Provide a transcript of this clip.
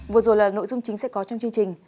vừa rồi là nội dung chính sẽ có trong chương trình